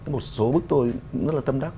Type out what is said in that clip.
một số bức tôi rất là tâm đắc